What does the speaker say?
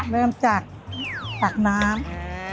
เริ่มจากตักน้ำ